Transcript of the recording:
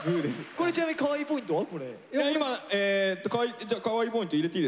これちなみにカワイイポイントは？